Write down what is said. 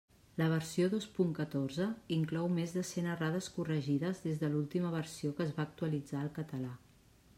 La versió dos punt catorze inclou més de cent errades corregides des de l'última versió que es va actualitzar al català.